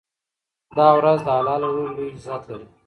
دا ورځ د الله له لوري لوی عزت لري.